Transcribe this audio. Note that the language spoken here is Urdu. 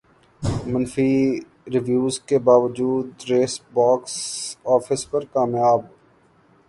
منفی ریویوز کے باوجود ریس باکس افس پر کامیاب